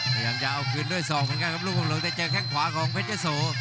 พยายามจะเอาคืนด้วยศอกเหมือนกันครับลูกกำหลงแต่เจอแข้งขวาของเพชรยะโส